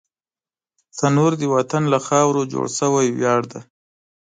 تنور د وطن له خاورو جوړ شوی ویاړ دی